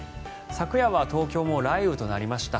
昨夜は東京も雷雨となりました。